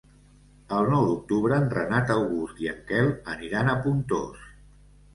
El nou d'octubre en Renat August i en Quel aniran a Pontós.